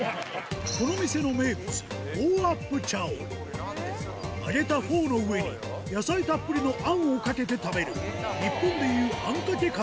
この店の名物揚げたフォーの上に野菜たっぷりのあんをかけて食べる日本でいうあんかけかた